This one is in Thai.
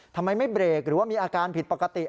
ทำไมไม่เบรกหรือว่ามีอาการผิดปกติ